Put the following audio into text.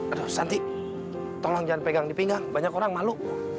aduh nanti tolong jangan pegang di pinggang banyak orang malu